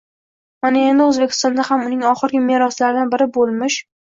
mana endi O‘zbekistonda ham uning oxirgi meroslaridan biri bo‘lmish d